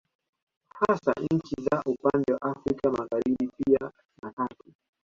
Hasa nchi za upande wa Afrika Magharibi pia na kati